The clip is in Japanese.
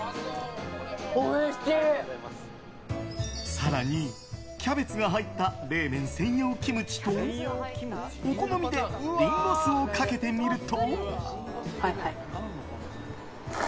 更にキャベツが入った冷麺専用キムチとお好みでリンゴ酢をかけてみると。